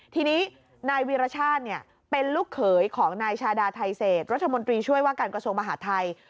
ทีนี้นายวีรชาติเป็นลูกเขยของนายชาดาไทเศษรัฐมนตรีช่วยว่าการกระทรวงมหาทัย